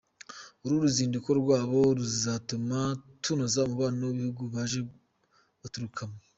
Uru ruzinduko rwabo ruzatuma tunoza umubano n’ibihugu baje baturukamo .